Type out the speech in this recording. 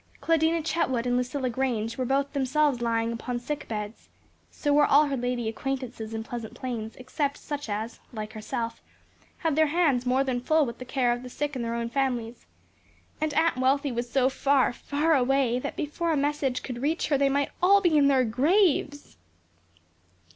Claudina Chetwood and Lucilla Grange were both themselves lying upon sick beds; so were all her lady acquaintances in Pleasant Plains except such as, like herself, had their hands more than full with the care of the sick in their own families; and Aunt Wealthy was so far, far away that before a message could reach her, they might all be in their graves.